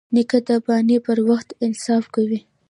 نیکه د بانې پر وخت انصاف کوي.